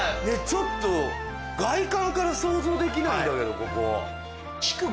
ちょっと外観から想像できないんだけどここ。